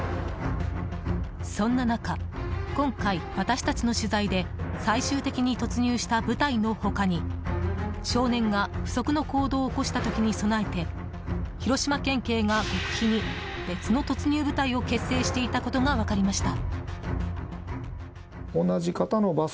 そんな中、今回、私たちの取材で最終的に突入した部隊の他に少年が不測の行動を起こした時に備えて広島県警が極秘に別の突入部隊を結成していたことが分かりました。